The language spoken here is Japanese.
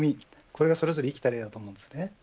これがそれぞれ生きた例だと思うんです。